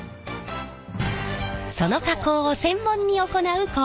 その加工を専門に行う工場へ。